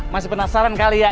masih penasaran kali ya